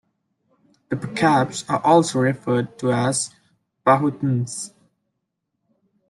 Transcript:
The Bacabs are also referred to as "Pauahtuns".